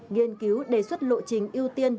nghiên cứu đề xuất lộ trình ưu tiên